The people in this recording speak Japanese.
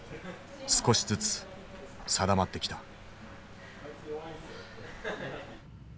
少しずつ定まってきた。